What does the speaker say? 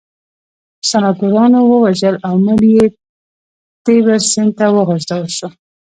سناتورانو ووژل او مړی یې تیبر سیند ته وغورځول شو